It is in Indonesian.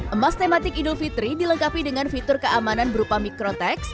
emas tematik idul fitri dilengkapi dengan fitur keamanan berupa mikrotext